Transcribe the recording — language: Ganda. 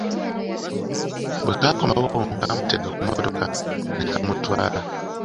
Bwe kakomawo kamuteeka mu mmotoka ne kamutwala.